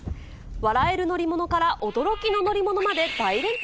笑える乗り物から驚きの乗り物まで大連発。